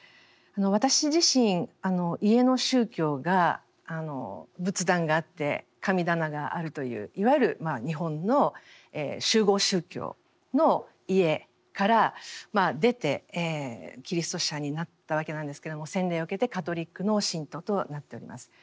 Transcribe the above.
私自身家の宗教が仏壇があって神棚があるといういわゆる日本の習合宗教の家から出てキリスト者になったわけなんですけれども洗礼を受けてカトリックの信徒となっております。